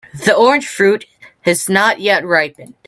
The orange fruit is not yet ripened.